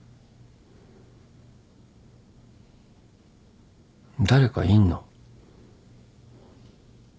誰かいんの？